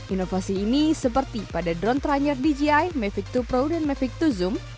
inovasi ini seperti pada drone terakhir dji mavic dua pro dan mavic dua zoom